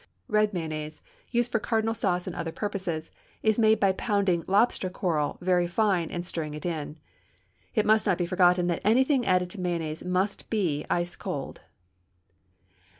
Red mayonnaise, used for cardinal salad and other purposes, is made by pounding lobster coral very fine and stirring it in. It must not be forgotten that anything added to mayonnaise must be ice cold.